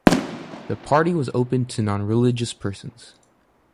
The party was open to non-religious persons.